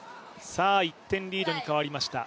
１点リードに変わりました。